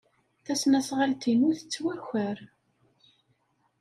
Tasnasɣalt-inu tettwaker.